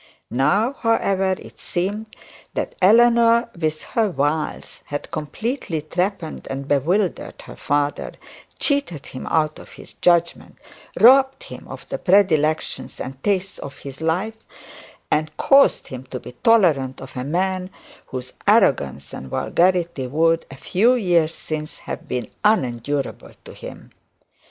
Now, however, it seemed that Eleanor, with her wiles, had completely trepanned and bewildered her father, cheated him out of his judgement, robbed him of the predilections and tastes of life, and caused him to be tolerant of a man whose arrogance and vulgarity would, in a few years since, have been unendurable to him.